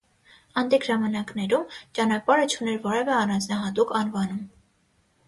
Անտիկ ժամանակներում ճանապարհը չուներ որևէ առանձնահատուկ անվանում։